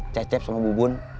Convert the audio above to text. cecep sama bubun